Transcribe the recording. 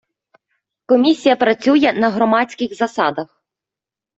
Комісія працює на громадських засадах.